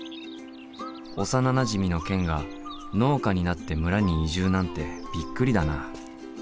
幼なじみのケンが農家になって村に移住なんてびっくりだな。